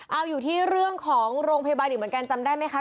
เอาอยู่ที่เรื่องของโรงพยาบาลอีกเหมือนกันจำได้ไหมคะ